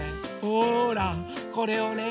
ほらこれをね